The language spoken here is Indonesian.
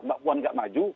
mbak puan tidak maju